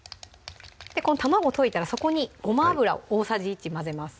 卵溶いたらそこにごま油を大さじ１混ぜます